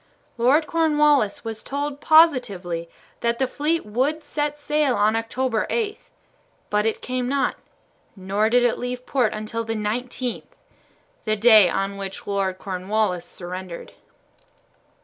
Lord Cornwallis was told positively that the fleet would set sail on October 8, but it came not, nor did it leave port until the 19th, the day on which Lord Cornwallis surrendered.